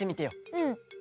うん。